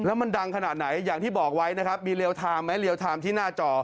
แล้วมันดังขนาดไหนอย่างที่บอกไว้มีเรียลไทม์ที่หน้าจอ